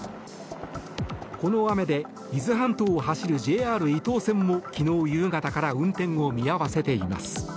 この雨で、伊豆半島を走るＪＲ伊東線も昨日夕方から運転を見合わせています。